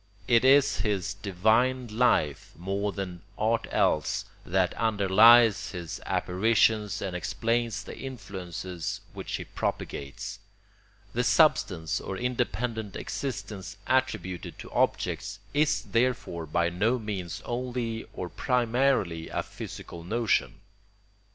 It is his divine life, more than aught else, that underlies his apparitions and explains the influences which he propagates. The substance or independent existence attributed to objects is therefore by no means only or primarily a physical notion.